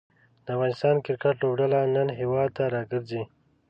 د افغانستان کریکټ لوبډله نن هیواد ته راګرځي.